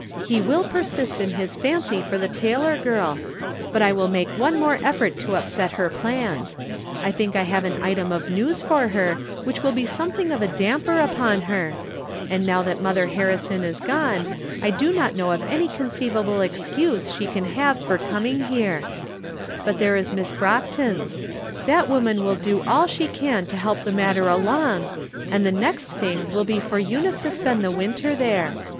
He will persist in liis fancy for the Taylor girl ; but I will make one more effort to upset her plans. I tliink I have an item of news for her which will be something of a damper upon her. And now that Mother Harrison is gone I do not know of any conceiv 296 I'rom Different Standj)oints. able excuse she can have for coming here. But there is Miss Brockton's. That woman will do all she can to help the matter along, and the next thing will be for Eunice to spend the winter there.